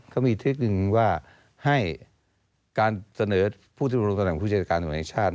เขามีอีกทิศนึงว่าให้การเสนอผู้เสนอตำรวจทางผู้จัดการตำรวจชาติ